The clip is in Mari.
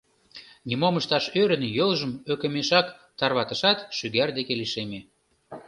Нимом ышташ ӧрын, йолжым ӧкымешак тарватышат, шӱгар деке лишеме.